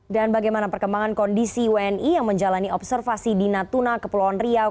dan bagaimana perkembangan kondisi wni yang menjalani observasi di natuna kepulauan riau